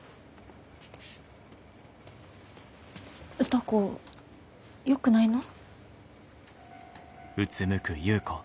歌子よくないの？